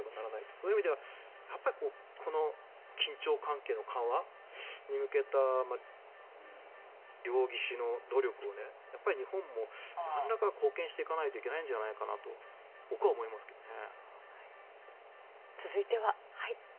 そういう意味ではこの緊張関係の緩和に向けた両岸の努力を日本も貢献していかないといけないんじゃないかなと僕は思いますけどね。